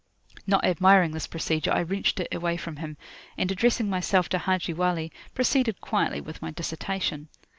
Not admiring this procedure, I wrenched it away from him, and, addressing myself to Haji Wali, proceeded quietly with my dissertation.